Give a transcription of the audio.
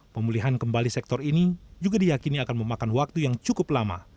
pemulihan kembali sektor ini juga diyakini akan memakan waktu yang cukup lama